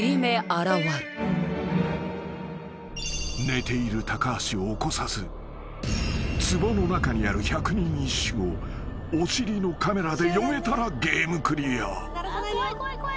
［寝ている橋を起こさずつぼの中にある百人一首をお尻のカメラで詠めたらゲームクリア］